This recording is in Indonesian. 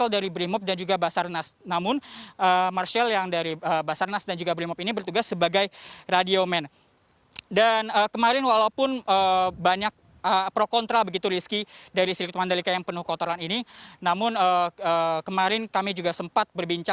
dan di hari kedua